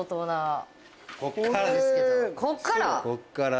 ここから？